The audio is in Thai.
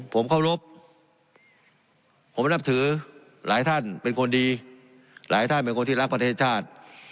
ผมเคารพผมนับถือหลายท่านเป็นคนดีหลายท่านเป็นคนที่รักประเทศชาติ